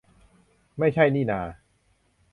ไม่ใช่นี่นา